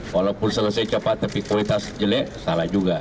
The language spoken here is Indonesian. walaupun selesai cepat tapi kualitas jelek salah juga